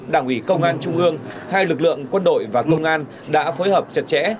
đảng ủy công an trung ương hai lực lượng quân đội và công an đã phối hợp chặt chẽ